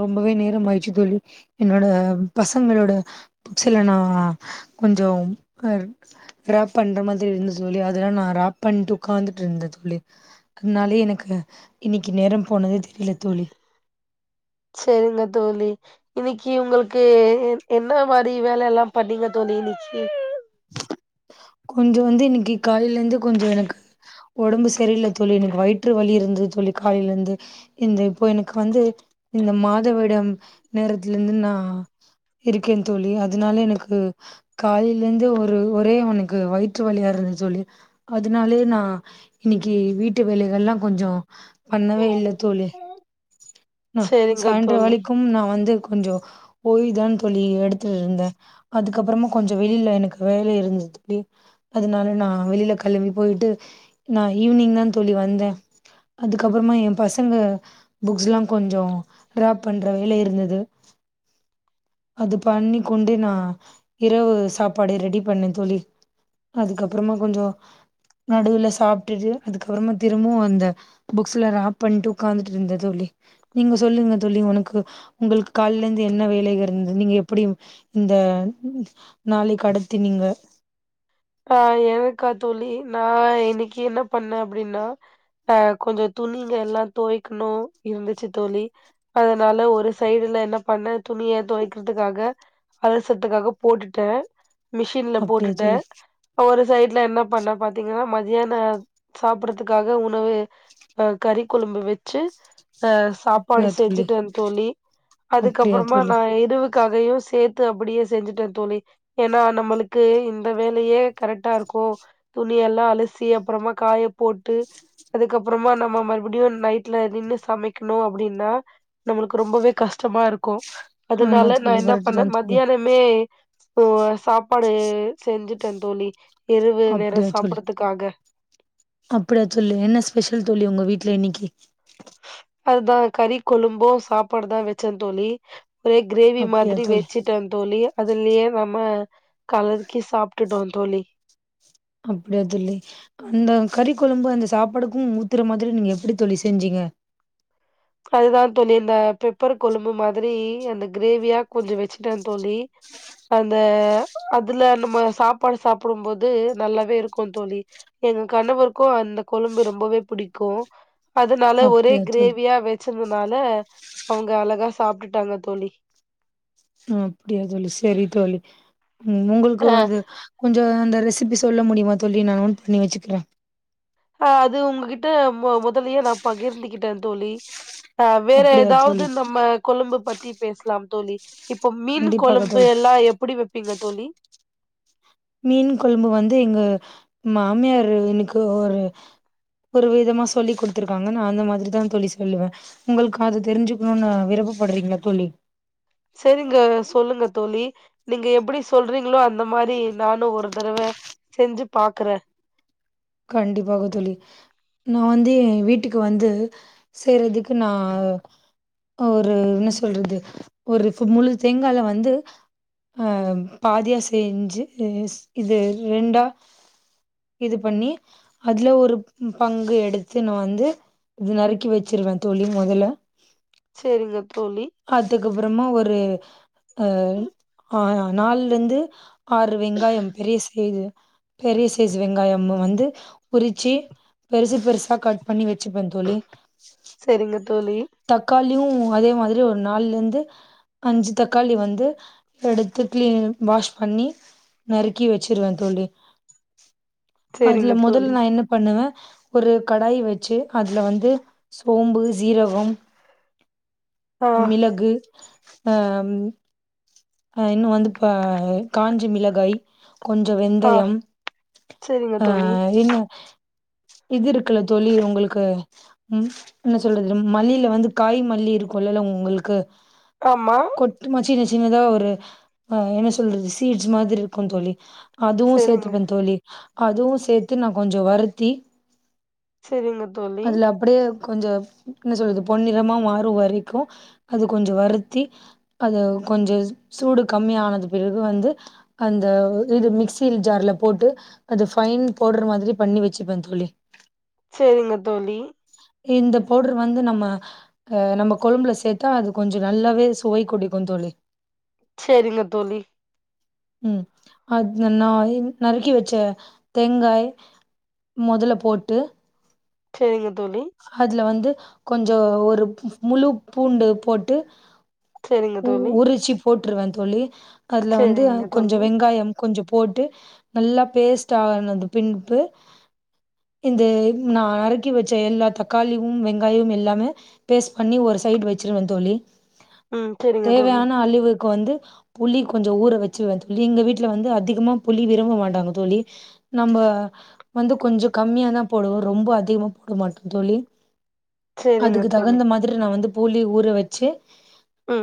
ரொம்பவே நேரம் ஆயிடுச்சு தோழி என்னோட பசங்களோட புக்ஸ்ல நா கொஞ்சொ ரேப் பண்ற மாதிரி இருந்த தோழி அதெல்லா நா ரேப் பண்ட்டு உக்காந்துட்டு இருந்த தோழி அதனாலயே எனக்கு இன்னைக்கு நேரம் போனதே தெரியல தோழி செரிங்க தோழி இன்னைக்கு உங்களுக்கு என் என்ன மாரி வேல எல்லா பண்ணீங்க தோழி இன்னைக்கு கொஞ்சொ வந்து இன்னிக்கு காலைல இருந்து கொஞ்சொ எனக்கு ஒடம்பு சரியில்ல தோழி எனக்கு வயிற்று வலி இருந்தது தோழி காலைல இருந்து இந்த இப்பொ எனக்கு வந்து இந்த மாதவிடம் நேரத்துல இருந்து நா இருக்கேன் தோழி அதனால எனக்கு காலை ல இருந்து ஒரு ஒரே எனக்கு வயிற்று வழியா இருந்த தோழி அதனாலே நா இன்னைக்கு வீட்டு வேலைகல்லா கொஞ்சொ பண்ணவே இல்ல தோழி செரிங்க [unintelligible] தோழி வழிக்கும் நா வந்து கொஞ்சொ ஓய்வு தான் தோழி எடுத்துர்ருந்த அதுக்கப்பறமு கொஞ்சொ வெளில எனக்கு வேல இருந்துது தோழி அதுனால நா வெளில களம்பி போய்ட்டு நா ஈவினிங் தா தோழி வந்த அதுக்கப்பறமா எம் பசங்க புக்ஸ்லா கொஞ்சொ ராப் பண்ற வேல இருந்துது அது பண்ணி கொண்டு நா இரவு ஸ் சாப்பாடு ரெடி பண்ணேன் தோழி அதுக்கப்புறமா கொஞ்சொ நடுவுல சாப்டுட்டு அதுக்கப்றமா திருமவு அந்த புக்ஸ்ல ராப் பண்ட்டு உக்காந்துட்ருந்த தோழி நீங்க சொல்லுங்க தோழி ஒனக்கு உங்களுக்கு காலலர்ந்து என்ன வேலைக இருந்து நீங்க எப்புடி இந்த நாளைக்கடத்தினிங்க அ இன்னிக்கென்ன பண்ண அப்டின்னா அ கொஞ்சொ துணிங்க எல்லா தொவைக்ணு இருந்துச்சு தோழி அதனால ஒரு சைடுல என்ன பண்ண துணிய தொவைக்கிறதுக்காக அலசறதுக்காக போட்டுட்ட மிஷின்ல அப்டியா போட்டுட்ட தோழி ஒரு சைட்ல என்ன பண்ண பாத்தீங்கன்னா மதியான சாப்டதுக்காக உணவு அ கறி கொழம்பு வெச்சு அ சாப்பாடு அப்டியா தோழி செஞ்சுட்டந் தோழி அப்டியா அதுக்கப்பறமா தோழி நா இரவுக் காகயு சேத்து அப்படியே செஞ்சுட்ட தோழி ஏன்னா நம்மளுக்கு இந்த வேலையே கரெட்டா இருக்கு துணியல்லா அலசி அப்பறமா காய போட்டு அதுக்கப்பறமா நம்ம மறுபுடியு நைட்ல நின்னு சமைக்கணு அப்டின்னா நம்மளுக்கு ரொம்பவே கஷ்டமா இருக்கு ஆமா அதனால நா தோழி என்ன கரெக்ட்டு தா பண்ண தோழி. மதியானமே ஓ சாப்பாடு செஞ்சுட்ட தோழி இரவு நேரொ அப்டியா தோழி சாப்படதுக்காக அப்டியா தோழி என்ன ஸ்பெஷல் தோழி உங்க வீட்ல இன்னிக்கி அதுதா கறி கொழும்பு சாப்பாடு தா வெச்சந் தோழி ஒரே கிரேவி அப்டியா மாதிரி தோழி வெச்சுட்டந் தோழி அதுலியே நம்ம கலக்கி சாப்ட்டுட்டோ தோழி அப்டியா தோழி அந்த கறிக்கொழம்பு அந்த சாப்பாடுக்கு ஊத்துற மாதிரி நீங்க எப்டி தோழி செஞ்சீங்க அதுதா தோழி இந்த பெப்பர் கொழம்பு மாதிரி அந்த கிரேவியா கொஞ்ச வெச்சுட்டேந் தோழி அந்த அதுல நம்ம சாப்பாடு சாப்புடும்போது நல்லாவே இருக்குந் தோழி எங்க கணவருக்கு அந்த கொழம்பு ரொம்பவே புடிக்கு அதனால ஒரே அப்படியா தோழி கிரேவ் யா வெச்சிருந்தனால அவுங்க அழகா சாப்டுட்டாங்க தோழி அப்டியா தோழி செரி தோழி ம் உங்குள்க்கு அ வந்து கொஞ்சொ அந்த ரெசிபி சொல்ல முடியுமா தோழி நா நோட் பண்ணி வெச்சுக்ற அ அது உங்ககிட்ட மு முதலியே நா பகிர்ந்துகிட்ட தோழி அ வேற அப்படியா ஏதாவ்து தோழி நம்ம கொழும்பு பத் தி பேசலாம் தோழி இப்போ மீன் கண்டிப்பாக கொழம்பு தோழி எல்லா எப்புடி வெப் பீங்க தோழி மீன் கொழம்பு வந்து இங்க மாமியாரு எனக்கு ஒரு ஒரு விதமா சொல்லி குடுத்துருக்காங்க நா அந்த மாதிரிதா தோழி சொல்லுவ உங்கள்க்கது தெரிஞ்சுக்ணுன்னு விருப்பப்படுறீங்ளா தோழி செரிங்க சொல்லுங்க தோழி நீங்க எப்டி சொல்றீங்ளோ அந்த மாரி நானும் ஒரு தரவ செஞ்சுப் பாக்குற கண்டிப்பாகத் தோழி நா வந்து என் வீட்டுக்கு வந்து செய்றதுக்கு நா ஒரு என்ன சொல்றது ஒரு கு முழு தேங்கால வந்து அ பாதியா செஞ்சு [inaudible] இது ரெண்டா இது பண்ணி அதுல ஒரு பங்கு எடுத்து நா வந்து இது நறுக்கி வெச்சிருவ தோழி மொதல்ல சேரிங்க தோழி கப்றமா ஒரு அ ஆ நால்லிந்து ஆறு வெங்காயம் பெரிய செய்து பெரிய சைஸ் வெங்காயம்மு வந்து உரிச்சி பெருசு பெருசா கட் பண்ணி வைச் சுப்பே தோழி செரிங்க தோழி தக்காளியும் அதே மாதிரி ஒரு நால்லிந்து அஞ்சு தக்காளி வந்து, எடுத்து கிளீன் வாஷ் பண்ணி நறுக்கி வெச்சிருவ தோழி. அதுல செரிங்க மொதல் தோழி நா என்ன பண்ணுவ ஒரு கடாய் வெச்சு அதுல வந்து சோம்பு, சீரகம் ஆ மிளகு, ஆஹ்ம் அஹ் இன்னு வந்துப்ப காஞ்ச மிளகாய். கொஞ்சோ ஆ வெந்தயம் செரிங்க தோழி அஹ் இன்னு இது இருக்குல்ல தோழி, உங்கள்க்கு உம் என்ன சொல்றது மல்லில வந்து காய் மல்லி இருக்கும்ல்லல்ல உங்கள்க்கு, ஆமா கொட்டு மச்சினச் ஜினதா ஒர் அஹ் என்ன சொல்றது, சீட்ஸ் மாதிரி இருக்கு தோழி. அதுவு செரிங்க சேத்துப்ப தோழி. அதுவு சேத்து நா கொஞ்சோ வருத்தி செரிங்க தோழி கொஞ்சோ ன்ன சொல்றது பொன்னிறமா மாறு வரைக்கு அது கொஞ்சோ வருத்தி, அது கொஞ்சோ சூடு கம்மியானது பிறகு வந்து அந்த இது மிக்சி ஜார்ல போட்டு அது ஃபைன் பவுடர் மாதிரி பண்ணி வச்சுப்ப தோழி. செரிங்க தோழி இந்த பவுடர் வந்து நம்ம அஹ் நம்ம கொழம்புல சேத்தா அது கொஞ்சோ நல்லாவே சுவை கொடிக்கும் தோழி. செர்ரிங்க தோழி ம் அது நா நறுக்கி வச்ச தேங்காய் மொதல்ல போட்டு, செரிங்க. தோழி அதுல வந்து கொஞ் அ ஒரு முழு பூண்டு போட்டு செரிங்க உ தோழி உரிச்சு போட் ட்ருவன்னு சொல்லி அதுல வந்து ம் செரிங்க கொஞ்ச தோழி வெங்காயம் கொஞ்சப் போட்டு நல்லா பேஸ்ட் ஆனது பின்பு இந்த நான் நறுக்கி வச்ச எல்லா தக்காளியும் வெங்காயமும் எல்லாமே பேஸ்ட் பண்ணி ஒரு சைடு வச்சிருவேன் தோழி ம் சரிங்க தோழி கோ வந்து புளி கொஞ்சோ ஊற வச்சு எங்க வீட்டுல வந்து அதிகமா புளி விரும்ப மாட்டாங்க தோழி. நம்ப வந்து கொஞ்சோ கம்மியாதா போடுவோ ரொம்ப அதிகமா போமாட்ட தோழி செரிங்க அதுக்கு தோழி தகுந்த மாதிர் நா வந்து புளி ஊற வெச்சு ம்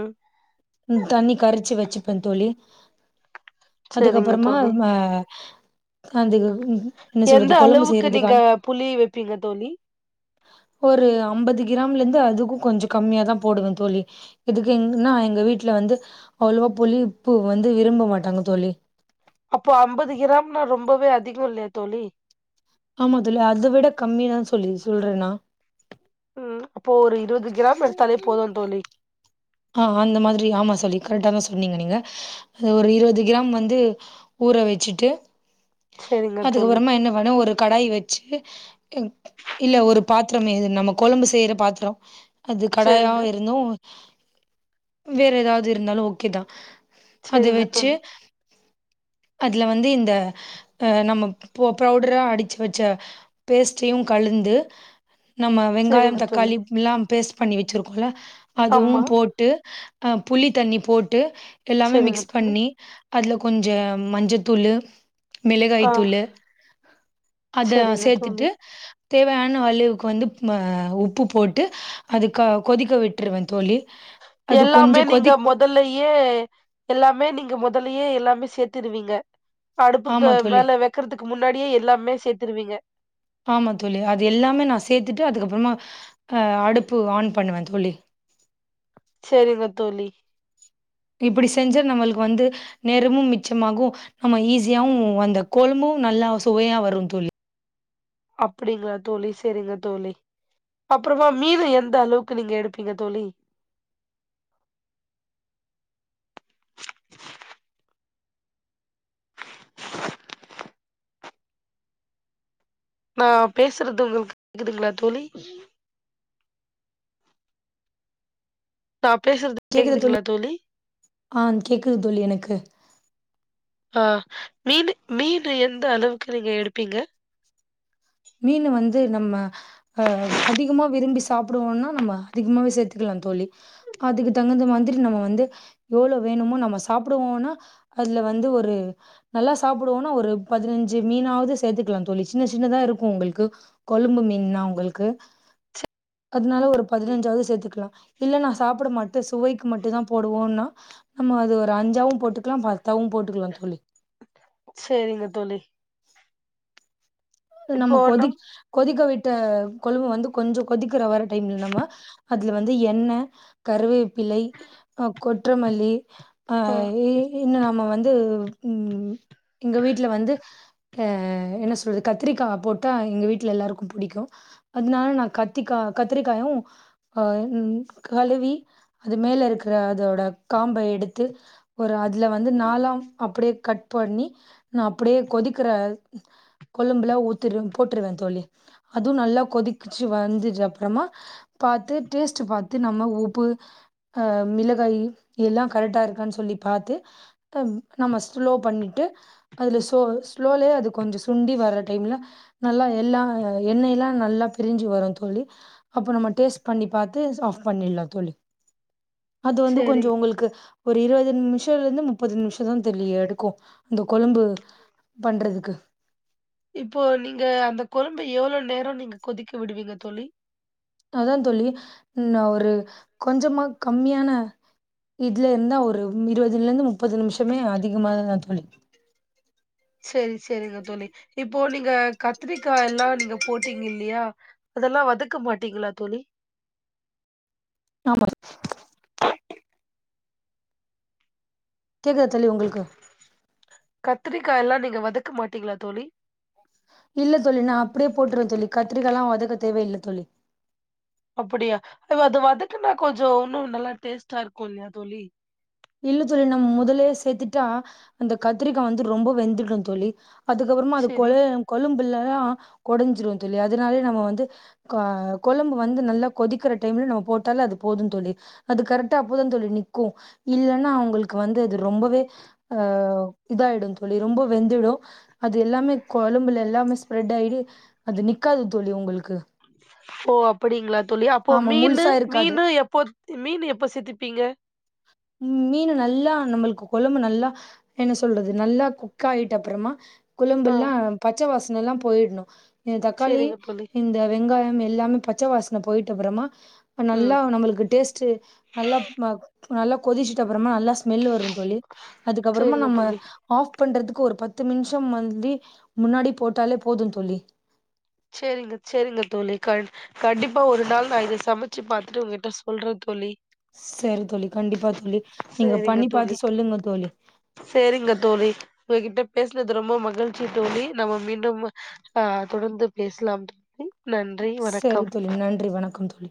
த்தனி கறச்சு வச்சுப்ப தோழி. செரிங்க அதுக்கப்பறமா தோழி ம அ [inaudible] எந்த அளவுக்கு நீங்க புளி வெப்பீங்க தோழி ஒரு அம்பது கிராம்லிந்து அதுக்கும் கொஞ்சு கம்மியாதான் போடுவன் தோழி இதுக்கு ன்னா எங்க வீட்ல வந்து அவ்ளோ புளிப்பு வந்து விரும்ப மாட்டாங்க தோழி அப்போ அம்பது கிராம்னா ரொம்பவே அதிகொ இல்யா தோலி ஆமா தல்ல அத விட கம்மிதா சொல்லி சொல்றேன்னா உம் அப்போ ஒரு இருவ்து கிராம் எடுத்தாலே போதும் தோழி ஆஹ் அந்த மாதிரி ஆமா சொல்லி கரெட்டா தா சொன்னீங்க நீங்க ஒரு இருவது கிராம் வந்து ஊற வச்சிட்டு செரிங்க தோழி அதுகறமா என்ன பண்ண ஒரு கடாய் வெச்சி [unintelligible] இல்ல ஒரு பாத்திரமே நம்ம கொழம்பு செய்ற பாத்ரம் அது கடயாஊ செரிங்க இருந்தும் வேற எதாவ்து இருந்தாலும் ஓகேதா அது செரிங்க வெச்சி தோழி அதுல வந்து இந்த அஹ் நம்மம் பொ பௌடுரடா அடிச்சு வச்ச பேஸ்ட்டையும் கழுந்து நம்ம செரிங்க வெங்காயம் தோழி தக்காளி மில்லாம் பேஸ் பண்ணி வெச்சிருக்கோல்ல அதுவு ஆமா போட் அஹ் புளி தண்ணி போட் டு எல்லாமே செரிங்க மிக்ஸ் தோழி பண்ணி அத்ல கொஞ்ச மஞ்சதூளு ஆ மிளகாய்த்தூள்ளு அத செரிங்க தோழி சேத்துட்டு தேவயான அழுவ்க்கு வந்து ம உப்பு போட்டு அதுக்க கொதிக்க விட்றுவ தோழி அது எல்லாமே கொஞ்சம் நீங்க கொதி மொதல்லயே எல்லாமே நீங்க மொத் முதல்லயே எல்லாமே சேத்துருவீங்க அடுப்புக்கு ஆமாம் தோழி மேல வெக்கறதுக்கு முன்னாடியே எல்லாமே சேத்துருவிங்க ஆமாம் தோழி அது எல்லாமே நான் சேர்த்துட்டு அதுக்கப்புறமா அ அடுப்பு ஆன் பண்ணுவ தோழி செரிங்க தோழி இப்பிடி செஞ்ச நம்மளுக்கு வந்து நேரமும் மிச்சமாகு நம்ம ஈஸியாவும் வந்த கொழம்பும் நல்லா சுவையா வரும் தோழி அப்பிடிங்களா தோழி சரிங்க தோழி அப்புறமா மீது எந்த அளவுக்கு நீங்க எடுப்பிங்க தோழி நா பேசுறது உங்களுக்கு கேக்குதுங்ளா தோழி நா பேசுறது கேக்குது தோழி கேக்குதுங்களா ஆஹ் கேக்குது தோழி எனக்கு ஆஹ் மீனு மீனு எந்த அளவுக்கு நீங்க எடுப்பிங்க து நம்ம அஹ் அதிகமா விரும்பி சாப்பிடுவோன்னா நம்ம அதிகமாவே சேர்த்துக்கலா தோழி அதுக்கு தகுந்த மாதிரி நம்ம வந்து எவ்ளோ வேணுமோ நம்ம சாப்புடுவோன்னா அத்ல வந்து ஒரு நல்லா சாப்புடுவோன்னா ஒரு பதினஞ்சு மீனாவ்து சேத்துக்லா தோழி சின்ன சின்னதா இருக் உங்கள்க்கு கொழும்பு மீன்னா உங்களுக்கு அத்னால ஒரு பதினஞ்சாவ்து சேத்துக்லா இல்ல நா சாப்ட மாட்டே சுவைக்கு மட்டும் தா போடுவோம் னா நம்ம அது ஒரு அஞ்சாவும் போட்டுக்கலா பத்தாவும் போட்டுக்கலா தோழி சரிங்க தோழி நம்ம இப்போ கொதி நம் கொதிக்க விட்ட குலம்பு வந்து கொஞ்சம் கொதிக்கிற வர டைம்ல நம்ம அதுல வந்து எண்ணெ கருவேப்பிலை கொற்றமல்லி ஆ ஐய் இன்னும் நாம வந்து உ எங்க வீட்ல வந்து என்ன சொல்து கத்திரிக்கா போட்டா எங்க வீட்டுல எல்லாருக்கும் புடிக்கும் அதனால நான் கத்திக்கா கத்திரிக்காயும் அஹ் கழுவி அது மேல இருக்கிற அதோட காம்பை எடுத்து ஒரு அதுல வந்து நாலா அப்படியே கட் பண்ணி நா அப்படியே கொதிக்கிற கொலம்புல உத்திடுவ போட்டுருவ தோழி அதுவும் நல்லா கொதிச்சு வந்துது அப்புறமா பாத்துட்டு டேஸ்ட் பாத்து நம்ம உப்பு அஹ மிளகாய் எல்லாம் கரெக்டா இருக்கான்னு சொல்லி பார்த்து நம்ம ஸ்லோ பண்ணிட்டு அதுல ஸ்லோ ஸ்லோலயே அது கொஞ்ச துண்டி வர்ற டைம்ல நல்லா எல்லா எண்ணெய் எல்லா நல்லா பிரிஞ்சு வரும் தோழி அப்ப நம்ம டேஸ்ட் பண்ணி பாத்து ஆஃப் பண்ணிலா தோழி அது வந்து சேரிங்க கொஞ்சம் உங்களுக்கு ஒரு இருபது நிமிஷல இருந்து முப்பது நிமிஷம் தா தோழி எடுக்கும் அந்த கொழம்பு பண்றதுக்கு இப்போ நீங்க அந்த கொழம்பு எவ்வளவு நேரம் நீங்க கொதிக்க விடுவீங்க தோழி அததா தோழி நா ஒரு கொஞ்சமா கம்மியான இதுல இருந்தா ஒரு இருபதுல இருந்து முப்பது நிமிஷமே அதிகமாததா தோழி சரி சரிங்க தோழி இப் ப்போ நீங்க கத்திரிக்கா எல்லா நீங்க போட்டீங்க இல்லையா அதெல்லா வதக்க மாட்டீங்களா தோழி ஆமா கேக்குதா தோழி உங்களுக்கு கத்திரிக்கா எல்லா நீங்க வதக்க மாட்டீங்களா தோழி இல்ல தோழி நா அப்டியே போட்ருவே தோழி கத்திரிக்காலா வதக்க தேவையில்ல தோழி அப்படியா அ அது வதக்குனா கொஞ்சோ உன்னு நல்லா டேஸ்ட்டா இருக்கு இல்லயா தோழி இல்ல தோழி நம்ம முதல்லே சேத்துட்டா அந்த கத்திரிக்கா வந்து ரொம்ப வெந்துடு தோழி அதுக்கப்புறமா அது கொழ சரி கொழம்புல [unintelligible] கொடஞ்சிரு தோழி அதுனாலயே நம்ம வந்து ஆஹ் கொழம்பு வந்து நல்லா கொதிக்கற டைம்ல நம்ம போட்டாலே அது போது தோழி அது கரெக்ட்டா அப்ப தா தோழி நிக்கு இல்லன்னா அவங்களுக்கு வந்து அது ரொம்பவே அஹ் இதாயிடு தோழி ரொம்ப வெந்துடு அது எல்லாமே கொழம்புல எல்லாமே ஸ்ப்ரெட் ஆயிடு அது நிக்காது தோழி உங்கள் ஓ அப்டிங்களா தோழி அப்போ ஆமா மீனு முழுசா இருக்காது மீனு எப்போ மீனு எப்ப சேத்திப்பீங்க மீனு நல்லா நம்மள்க்கு கொழம்பு நல்லா என்ன சொல்றது நல்லா குக் ஆயிட்டு அப்பறமா ஆ கொழம்பெல்லா பச்ச வாச னெல்லா போயிட்ணு இந்த தக்காளி சரிங்க தோழி இந்த வெங்காயம் எ எல்லாமே பச்ச வாஸ்ன போயிட்டு அப்பறமா நல்லா ம் நம்மளுக்கு டேஸ்ட்டு நல்லா ம நல்ல கொதிச்சிட்டு அப்பறமா நல்லா ஸ் மெல் வரு தோழி அதுக்கப்பறமா சரிங்க நம்ம தோழி ஆஃப் பண்றதுக்கு ஒரு பத்து நிம்ஷோ வந்தி முன்னாடி போட்டாலே போது தோழி சேரிங்க சேரிங்க தோழி கண் கண்டிப்பா ஒரு நாள் நா இத சம ச்சு பாத்துட்டு உங்கிட்ட சொல்ற தோழி சரி தோழி கண்டிப்பா தோழி நீங்க சரிங்க பண்ணி தோழி பாத்து சொல்லுங்க தோழி சேரிங்க தோழி உங்ககிட்ட பேஸ்னது ரொம்ப மகிழ்ச்சி தோழி நம்ம மீண்டும் அ, ஆஹ் தொடர்ந்து பேசலாம் [inaudible] வணக்கம் சரி தோழி நன்றி வணக்கம் தோழி